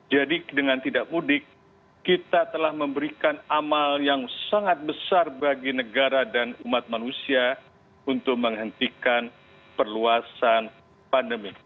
jadi dengan tidak mudik kita telah memberikan amal yang sangat besar bagi negara dan umat manusia untuk menghentikan perluasan pandemi